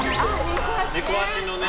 猫脚のね。